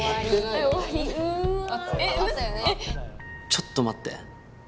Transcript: ちょっと待って。